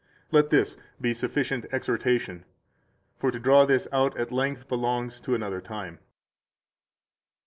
Let this be sufficient exhortation; for to draw this out at length belongs to another time.